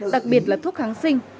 đặc biệt là thuốc kháng sinh